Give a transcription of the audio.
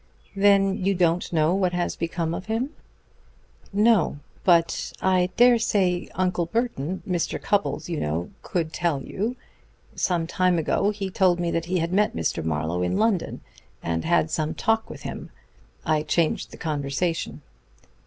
"Then you don't know what has become of him?" "No: but I dare say Uncle Burton Mr. Cupples, you know could tell you. Some time ago he told me that he had met Mr. Marlowe in London, and had some talk with him. I changed the conversation."